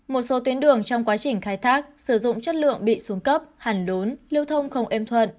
một số tuyến đường trong quá trình khai thác sử dụng chất lượng bị xuống cấp hẳn đốn lưu thông không êm thuận